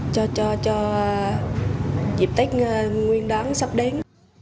cho dịp tách nguyên đoán sắp đến